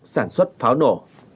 sản xuất pháo nổ